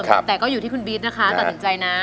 แต่ก็อยู่ที่คุณบี๊ดนะคะตัดสินใจนะ